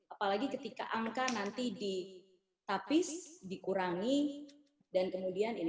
apalagi ketika angka nanti ditapis dikurangi dan kemudian ini